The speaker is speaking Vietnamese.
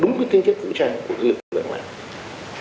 đúng cái tên kiếp vũ trang của lực lượng này